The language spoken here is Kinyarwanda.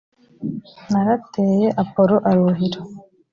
narateye apolo aruhira